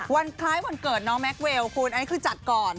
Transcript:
คล้ายวันเกิดน้องแม็กเวลคุณอันนี้คือจัดก่อน